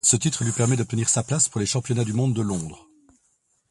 Ce titre lui permet d'obtenir sa place pour les Championnats du monde de Londres.